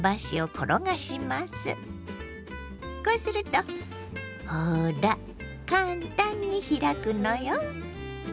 こうするとほら簡単に開くのよ。